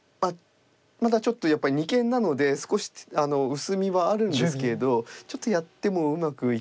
まだちょっとやっぱり二間なので少し薄みはあるんですけれどちょっとやってもうまくいかないですかね。